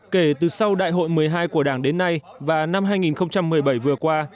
kể từ sau đại hội một mươi hai của đảng đến nay và năm hai nghìn một mươi bảy vừa qua